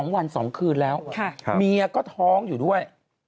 ๒วัน๒คืนแล้วเมียก็ท้องอยู่ด้วย